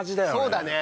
そうだね。